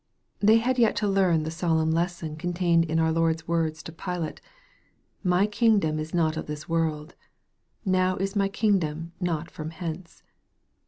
They had yet to learn the solemn lesson contained in our Lord's words to Pilate, " My kingdom is not of this world : now is my kingdom not from hence."